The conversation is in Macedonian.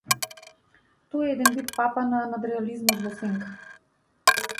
Тој е еден вид папа на надреализмот во сенка.